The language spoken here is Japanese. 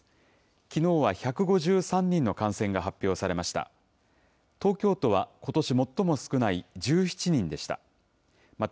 きのうは１５３人の感染が発表されました。